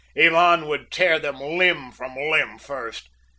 Ivan would tear them limb from limb first.